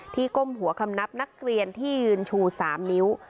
ก้มหัวคำนับนักเรียนที่ยืนชู๓นิ้ว